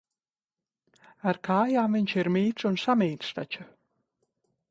Ar kājām viņš ir mīts un samīts taču.